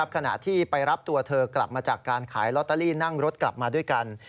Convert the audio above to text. ขณะที่ไปรับตัวเธอกลับมาจากการขายลอตเตอรี่นั่งรถกลับมาด้วยกัน